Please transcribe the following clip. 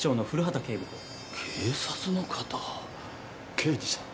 刑事さん。